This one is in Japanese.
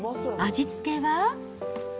味付けは。